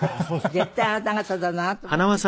絶対あなた方だなと思っていた。